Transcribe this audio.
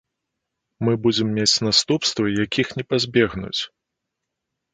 Мы будзем мець наступствы, якіх не пазбегнуць.